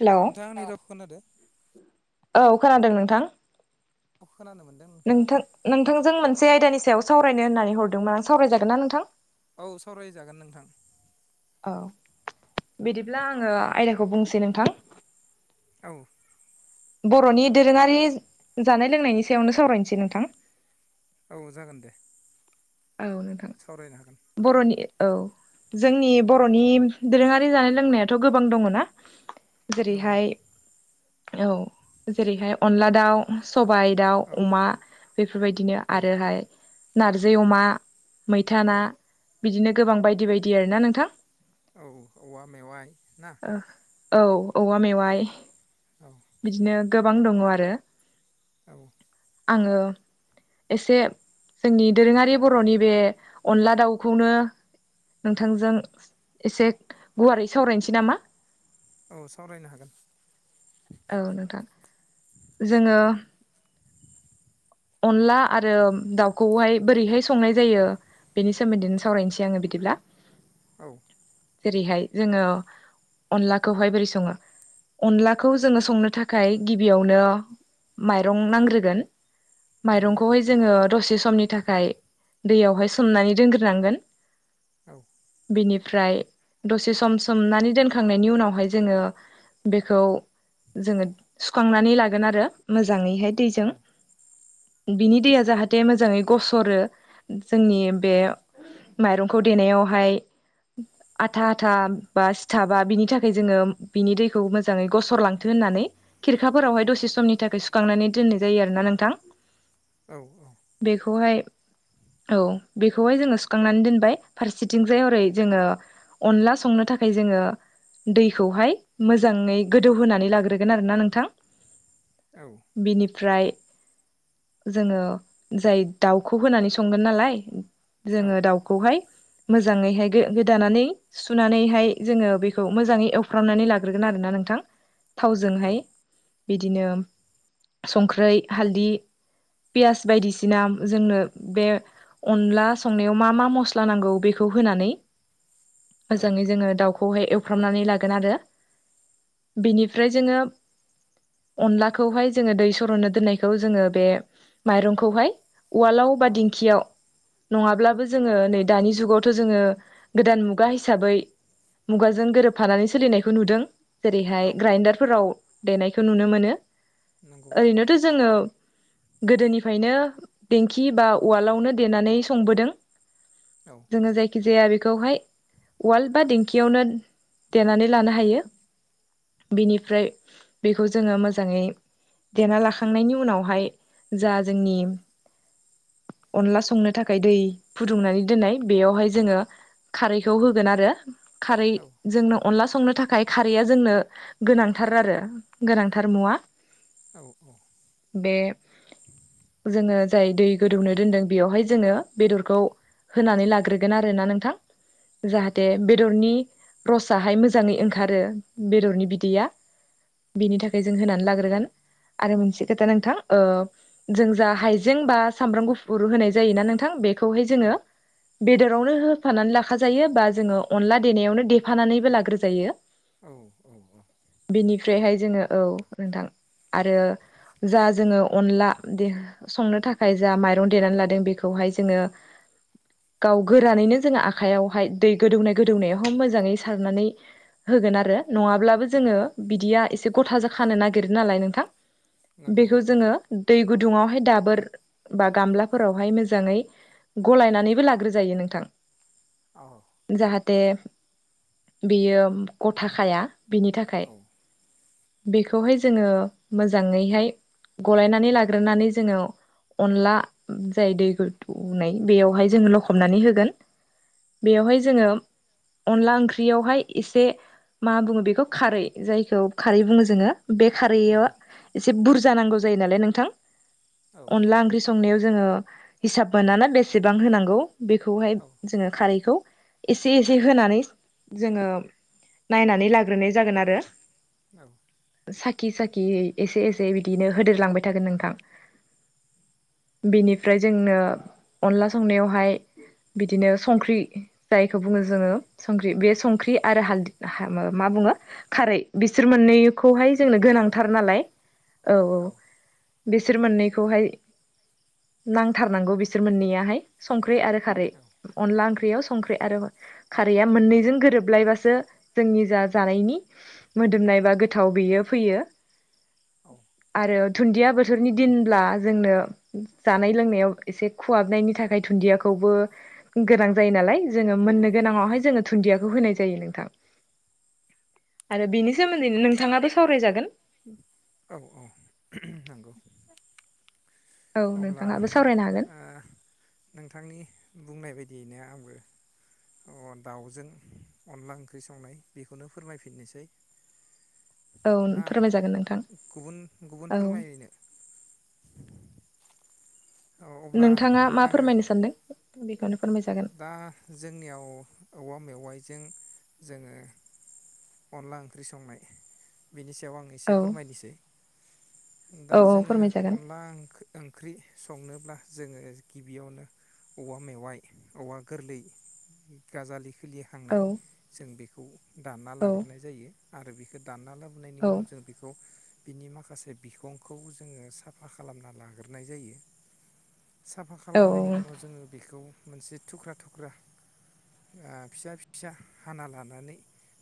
Hello नोंथाङा आंनि राव खोनादो। औ खोनादों नोंथां। खोनानो मोनदों नोंथाङा नोंथां नोंथांजों मोनसे आयदानि सायाव सावरायनो होननानै हरदोंमोन आं सावरायजागोन ना नोंथां। औ सावरायजागोन नोंथां। औ बिदिब्ला आङो आयदाखौ बुंसै नोंथां। औ। बर'नि दोरोङारि जानाय-लोंनायनि सायावनो सावरायनोसै नोंथां औ जागोन दे। औ नोंथां, सावरायनो हागोन बर'नि औ जोंनि बर'नि दोरोङारि जानाय-लोंनायाथ' गोबां दङ ना नंगौ जेरैहाय औ जेरैहाय अनला दाउ, सबायाइ दाउ, औ अमा बेफोरबायदिनो औ आरोहाय नारजि अमा, मैथा औ ना बिदिनो गोबां बायदि बायदि आरो ना नोंथां औ। औवा मेवाइ ना? औ औवा मेवाइ औ बिदिनो गोबां दङ आरो औ आङो एसे जोंनि दोरोङारि बर'नि बे अनला दाउखौनो नोंथांजों एसे गुवारै सावरायनोसै नामा औ सावरायनो हागोन। औ नोंथां। जोङो अनला आरो दाउखौहाय बोरैहाय संनाय जायो बेनि सोमोन्दैनो सावरायनोसै आङो बि दिब्ला औ जेरैहाय जोङो अनलाखौहाय बोरै सङो अनलाखौ जोङो संनो थाखाय गिबियावनो माइरं नांग्रोगोन, नंगौ माइरंखौहाय जोङो दसे समनि थाखाय दैयावहाय सोमनानै दोनग्रोनांगोन, औ बिनि फ्राय दसे सम सोमनानै दोनखांनायनि उनावहाय जोङो बेखौ जोङो सुखांनानै लागोन आरो मोजाङैहाय औ दैजों बिनि दैया जाहाथे मोजाङै गसरो, जोंनि बे माइरंखौ देनायावहाय आथा आथा बा सिथाबा बिनि थाखाय जोङो बिनि दैखौ मोजाङै गसर लांथों होननानै खिरखाफोरावहाय दसे समनि थाखाय सुखांनानै दोननाय जायो आरोना नोंथां। औ बेखौहाय औ बेखौहाय जोङो सुखांनानै दोनबाय फारसेथिंजाय हरै जोङो अनला संनो थाखाय जोङो दैखौहाय मोजाङै गोदौहोनानै लाग्रोगोन आरोना नोंथां। औ बिनिफ्राय जोङो जाय दाउखौ होनानै संगोन नालाय औ जोङो दाउखौहाय मो जाङैहाय गोदानानै सुनानैहाय जोङो बेखौ मोजाङै एवफ्रामनानै लाग्रोगोन आरोना नोंथां। थावजोंहाय बिदिनो संख्रै, हालदि पियास बायदिसिना जोंनो बे अनला संनायाव मा मा मस्ला नांगौ बेखौ होनानै मोजाङै जोङो दाउखौहाय एवफ्रामनानै लागोन आरो बेनिफ्राय जोङो अनलाखौहाय जोङो दै सरनो दोननायखौ जोङो बे माइरंखौहाय उवालाव बा दिंखियाव नङाब्लाबो जोङो नै दानि जुगावथ' जोङो गोदान मुगा हिसाबै मुगाजों गोरोबफानानै सोलिनायखौ नुदों, जेरैहाय ग्राइनडारफोराव देनायखौ नुनो मोनो। नंगौ ओरैनोथ' जोङो गोदोनिफ्रायनो देंखि बा उवालावनो देनानै संबोदों। औ जोङो जायखि जाया बे बखौहाय उवाल बा दिेंखियावनो देनानै लानो हायो बेनिफ्राय बेखौ जोङो मोजाङै देना लाखांनायनि उनावहाय जा जोंनि अनला संनो थाखाय दै फुदुंनानै दोननाय बेयावहाय जोङो खारैखौ होगोन आरो खारै औ जोंनो अनला संनो थाखाय खारैया जोंनो गोनांथार आरो गोनांथार मुवा औ औ बे जोङो जाय दै गोदौनो दोनदों बेयावहाय जोङो बेदरखौ होनानै लाग्रोगोन आरोना नोंथां जाहाथे बेदरनि रसाहाय मोजाङै ओंखारो बेदरनि बिदैया बेनि थाखाय जों होनानै लाग्रोगोन आरो मोनसे खोथा नोंथां ओ जों जा हाइजें बा सामब्राम गुफुर होनाय जायोना नोंथां बेखौहाय औ जोङो बेदरावनो होफानानै लाखाजायो बा जोङो अनला देनायावनो देफानानैबो लाग्रोजायो औ औ औ बिनिफ्रायहाय जोङो औ नोंथां आरो जा जोङो अनला दे संनो थाखाय जा माइरं देनानै लादों बेखौहाय जोङो गाव गोरानैनो जोङो आखाइआवहाय दै गोदौनाय गोदौनायावहाय मोजाङै सारनानै होगोन आरो नङाब्लाबो जोङो बिदिया एसे गथा जा खानो नागिरो नालाय नोंथां। नंगौ बेखौ जोङो दै गुदुङावहाय दाबोर बा गामलाफोरावहाय मोजाङै गलायनानैबो लाग्रोजायो नोंथां। औ जाथे बियो गथाखाया बिनि थाखाय। औ बेखौहाय जोङो मोजाङैहाय गलायनानै लाग्रोनानै जोङो अनला जाय दै गोदौनाय बेयावहाय जोंङो लखबनानै होगोन। बेवहाय जोङो अनला ओंख्रियावहाय एसे मा बुङो बेखौ खारै जायखौ खारै बुङो जोङो बे खारैयाव नंगौ एसे बुरजा नांगौ जायो नालाय नोंथां। औ अनला ओंख्रि संनायाव जोङो हिसाब मोना ना बेसेबां होनांगौ। बेखौहाय जोङो खारैखौ एसे एसे होनानै जोङो नायनानै लाग्रोनाय जागोन आरो। औ साखि साखि एसे एसे बिदिनो होदेरलांबाय थागोन नोंथां। बेनिफ्राय जोंनो अनला संनायावहाय बिदिनो संख्रि जायखौ बुङो जोङो संख्रि बे संख्रि आरो हालदि मा बुं ङो खारै बि बिसोर मोननैखौहाय जोंनो गोनांथार नालाय औ औ बिसोर मोननैखौहाय नांथारनांगौ बिसोर मोननैयाहाय संख्रि आरो खारै अनला ओंख्रियाव सं ख्रि आरो खारैया मोननैजों गोरोबलायबासो जोंनि जा जानायनि मोदोमनाय बा गोथाव बेयो फैयो। आरो दुन्दिया बोथोरनि दिनब्ला जोंनो जानाय लोंनायाव एसे खुहाबनायनि थाखाय दुनदियाखौबो गोनां जायो नालाय जोङो मोननो नंगौ गोनांआवहाय जोङो दुनदियाखौ होनाय जायो नोंथां। आरो‌ बिनि सोमोन्दै नोंथाङाबो सावरायजागोन। औ औ नंगौ औ अब्ला नोंथाङाबो सावरायनो हागोन ओ नोंथांनि बुंनाय बाय दिनो आंबो अ दाउजों अनला ओंख्रि संनाय बेखौनो फोरमायफिननोसै। औ ना फोरमाय जागोन नोंथा गुबुन गुबुन फोरमायनो औ अब्ला नोंथाङा मा आङो फोरमायनो सानदों बेखौनो फोरमायजागोन दा जोंनियाव औवा मेवाइ जों जोङो अनला ओंख्रि संनाय बिनि सायाव आं एसे औ फोरमायनोसै। दा औ औ जोङो फोरमायजागोन अनला ओं ओंख्रि संनो ब्ला जोङो गिबियावनो औवा मेवाइ औवा गोरलै गाजालि औ खिलिहांनाय जों बेखौ दानना औ लाग्रोनाय जायो। आरो बेखौ दानना लाबो बोनायनि औ उनाव जों बेखौ- - बिनि माखासे बिखंखौ जोङो साफा खालामना लाग्रोनाय जायो। साफा औ खालामनायनि उनाव जोङो बेखौ मोनसे थुख्रा थुख्रा ओ फिसा फिसा हाना लानानै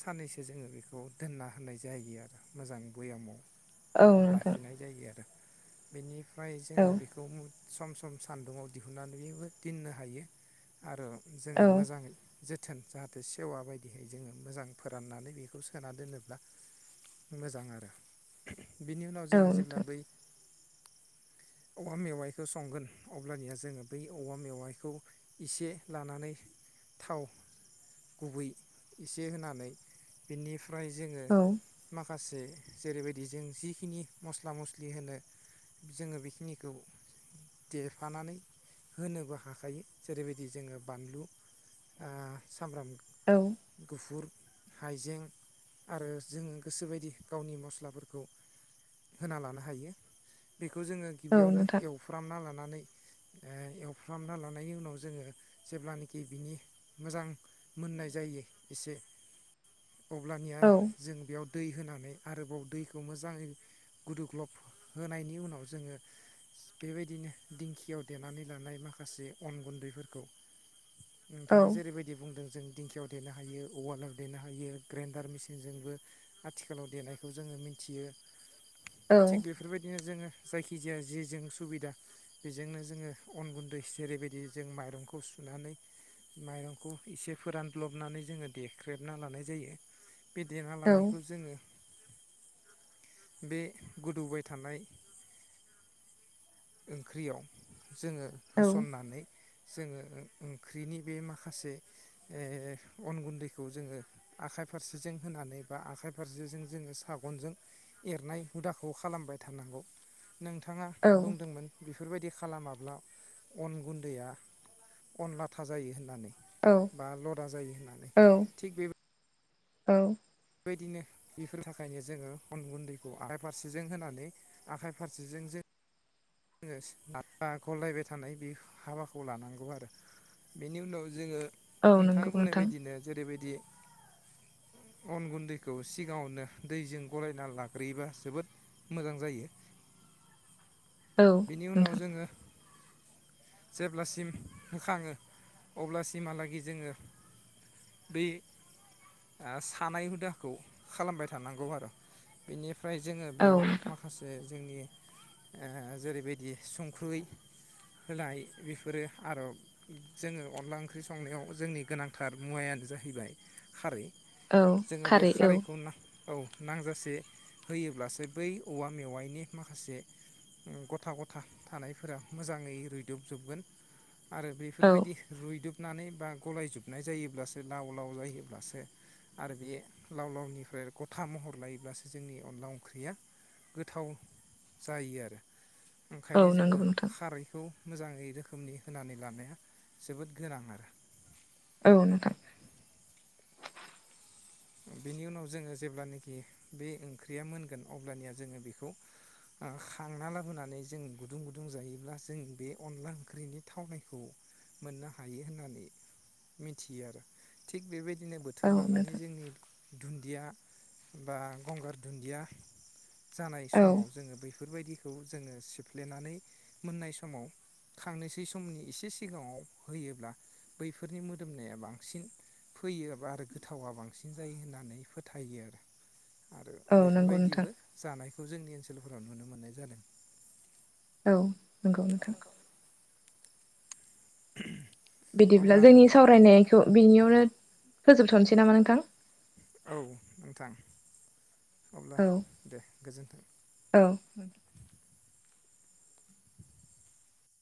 साननैसो जोङो बेखौ दोनना होननाय जायो आरो मोजां बयामाव औ नोंथां लाखिनाय जायो आरो। बेनिफ्राय औ जोङो बेखौ सम सम सान्दुङाव दिहुनन्नानैबो दोननो हायो। आरो जोङो औ मोजाङै जोथोन जाहाथे सेवा बायदिहै जोङो मोजां फोराननानै बेखौ सोना दोनोब्ला मोजां आरो‌ बिनि उनाव औ जोङो जेब्ला नोंथां बै औवा मेवाइखौ संगोन अब्लानिया जोङो बै औवा मेवाइखौ इसे लानानै थाव गुबै एसे होनानै बेनिफ्राय जोङो औ मा खासे जेरैबायदि जों जिखिनि मस्ला मस्लि होनो जोङो बेखिनिखौ देफानानै होनोबो हाखायो। जेरैबायदि जोङो बानलु आ सामब्राम औ गुफुर हाइजें आरो जोङो गोसोबायदि गावनि मस्लाफोरखौ होना लानो हायो। बेखौ जोङो औ गिबियावनो नोंथां एवफ्रामना लानानै ओ एवफ्रामना लाना नायनि उनाव जोङो जेब्लानिखि बिनि मोजां मोननाय जायो एसे [inaudible] अब्लानिया औ जों बेयाव दै होनानै आरोबाव दैखौ मोजाङै गुदु ग्लब होनायनि उनाव जोङो सो बेबायदिनो दिंखियाव देनानै लानाय माखासे अन गुन्दैफोरखौ औ नोंथाङा जेरैबायदि बुंदों जों दिंखियाव देनो हायो उवालाव देनो हायो ग्रेन्डार मेसिनजोंबो आथिखालाव देनायखौ जोङो मिथियो औ थिग बेफोरबायदिनो जोङो जायखिजाया जेजों सुबिदा बेजोंनो जोङो अन गुन्दै जेरैबायद दि जों माइरंखौ सुनानै माइरंखौ एसे फोरानब्लबनानै जोङो देख्रेबना लानाय जायो। बे देना लानायखौ जोङो बे गोदौबाय थानाय ओंख्रियाव जोङो होसननानै जोङो ओंख ओंख्रिनि बे माखासे ए अन गुन्दैखौ जोङो आखाय फारसेजों होनानै बा आखाइ फारसेजों जोङो सागनजों एरनाय हुदाखौ खालामबाय थानांगौ। अ नोंथां बुंदोंमोन बिफ फोरबायदि खालामाब्ला अन गुन्दैआ अन लाथा जायो होननानै बा लदा जायो होननानै औ थिग बे औ बायदिनो बेफोर थाखायनो जोङो अन गुन्दैखौ आखाइ फारसेजों होनानै आखाइ फारसेजों जों ङोस आख आखल नायबाय थानाय बेख हाबाखौ लानांगौ आरो बेनि उनाव जोङो औ नोंथां नंगौ बुंनाय बायदिनो जेरैबायदि अन गुन्दैखौ सिगाङावनो दैजों गलायना लाग्रोयोबा जोबोद मोजां जायो। जोङो [unintelligible] बेनि उनाव जोङो [inaudible] जेब्लासिम होखाङो अब्लासिमहालागै जोङो बे आ सानाय हुदाखौ खालामबाय थानांगौ आरो बेनिफ फ्राय जोङो औ बेयाव नोंथां माखासे जोंनि ओज जेरैबायदि संख्रै होलाय बेफोरो आर' जोङो अनला ओंख्रि संनायाव जोंनि गोनांथार मुवायानो जाहैबाय खारै औ जोङो बे खारै औ खारैखौ ना औ नांजासे होयोब्लासो बै औवा मेवाइनि माखासे उम गथा गथा थानायफोरा मोजाङै रुयदुबजोबगोन। आरो औ बेफोरबायदि रुइदुब नानै बा गलायजोबनाय जायोब्लासो लाव लाव जायोब्लासो आरो बे लाव लावनिफ्राय गथा महर लायोब्लासो जोंनि अनला ओंख्रिया गोथाव जायो आरो। औ ओंखायनो नंगौ जोङो नोंथां खारैखौ मोजाङै रोखोमनि होनानै लानाया जोबोद गोनां आरो। औ नोंथां बेनि उनाव जोङो जेब्लानाखि बे ओंख्रिया मोनगोन अब्लानिया जोङो बेखौ खांना लाबोनानै जों गुदुं गुदुं जायोब्ला जों बे अनला ओंख्रिनि थावनायखौ मोननो हायो होननानै मिथियो आरो। थिग बेबायदिनो बोथोर औ लानानै नोंथां जोंनि दुन्दिया बा, गंगार दुन्दिया जानाय औ समाव जोङो बैफोर बेफोरबायदिखौ जोङो सिफ्लेनानै मोननाय समाव खांनोसै समनि एसे सिगाङाव होयोब्ला बैफोरनि मोदोमनाया बांसिन फैयोबा आरो गोथावा बां सिन जायो होननानै फोथायो आरो। आरो औ नंगौ नोंथां बेफोरबायदिबो जानायखौ जोंनि ओनसोलफोराव नुनो मोननाय जादों। औ नंगौ नोंथां। [inaudible] बिदिब्ला अब्ला जोंनि सावरायनायखौ बिनियावनो फोजोबथ'नोसै नामा नोंथां? औ नोंथां। अब्ला औ दे गोजोन्थों! औ